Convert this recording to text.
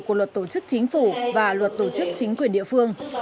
của luật tổ chức chính phủ và luật tổ chức chính quyền địa phương